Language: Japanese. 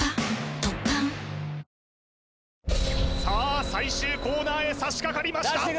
さあ最終コーナーへさしかかりました